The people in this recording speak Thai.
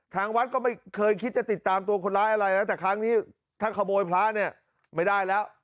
ทางวัดก็ไม่เคยคิดจะติดตามตัวคนร้ายอะไรนะแต่ครั้งนี้ถ้าขโมยพระเนี่ยไม่ได้แล้ว